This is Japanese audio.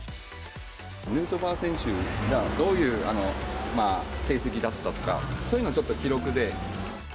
ヌートバー選手がどういう成績だったとか、そういうのをちょっと記録で。